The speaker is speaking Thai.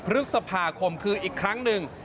พฤษภาคมคืออีกครั้งหนึ่ง